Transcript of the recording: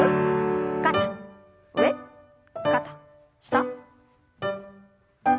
肩上肩下。